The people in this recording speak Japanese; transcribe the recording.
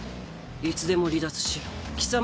いつでも離脱し貴様